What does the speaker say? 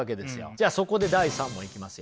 じゃあそこで第３問いきますよ。